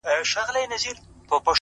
جـنــگ له فريادي ســــره’